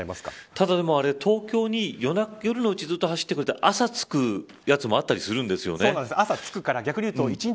ただ東京に、夜の間ずっと走ってくれて朝着くやつもあったりするんですよね。